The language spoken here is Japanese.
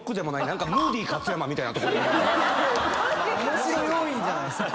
面白要因じゃないですか。